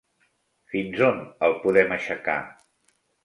Fins on el podem aixecar?